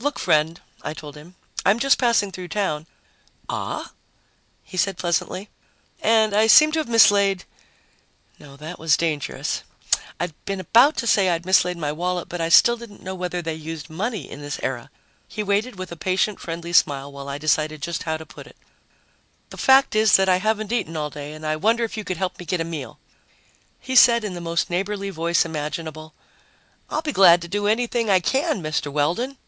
"Look, friend," I told him, "I'm just passing through town " "Ah?" he said pleasantly. " And I seem to have mislaid " No, that was dangerous. I'd been about to say I'd mislaid my wallet, but I still didn't know whether they used money in this era. He waited with a patient, friendly smile while I decided just how to put it. "The fact is that I haven't eaten all day and I wonder if you could help me get a meal." He said in the most neighborly voice imaginable, "I'll be glad to do anything I can, Mr. Weldon."